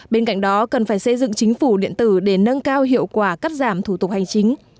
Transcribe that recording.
bên cạnh đó cần phải xây dựng chính phủ điện tử để nâng cao hiệu quả cắt giảm thủ tục hành chính